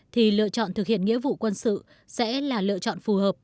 thì lựa chọn thực hiện nghĩa vụ quân sự sẽ là lựa chọn phù hợp